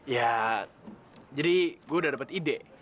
ya jadi gue udah dapet ide